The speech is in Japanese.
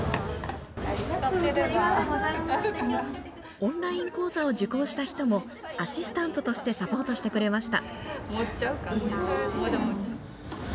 オンライン講座を受講した人もアシスタントとしてサポートしてくれました。